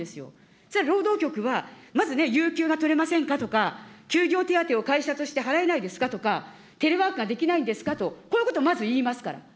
それは労働局はまず、有給が取れませんかとか、休業手当を会社として払えないですかとか、テレワークができないんですかと、こういうことをまず言いますから。